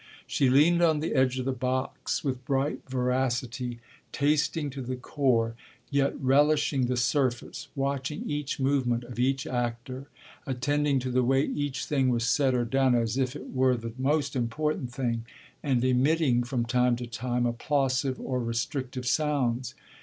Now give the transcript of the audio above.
She leaned on the edge of the box with bright voracity; tasting to the core, yet relishing the surface, watching each movement of each actor, attending to the way each thing was said or done as if it were the most important thing, and emitting from time to time applausive or restrictive sounds.